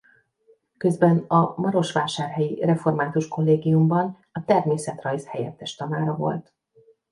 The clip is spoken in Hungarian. Közben a marosvásárhelyi református kollégiumban a természetrajz helyettes tanára volt.